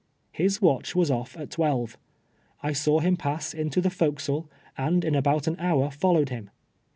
His watch was oif at twelve. I saw him pass into the forecastle, and in about an hour followed him.